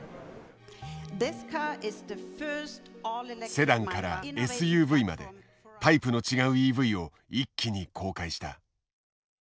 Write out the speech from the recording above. セダンからＳＵＶまでタイプの違うＥＶを一気に公開した。